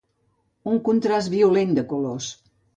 Un contrast violent de colors.